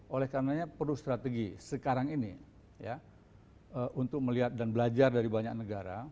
oleh karenanya perlu strategi sekarang ini ya untuk melihat dan belajar dari banyak negara